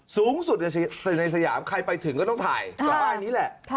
สูงสุดในสยามใครไปถึงก็ต้องถ่ายกับป้ายนี้แหละ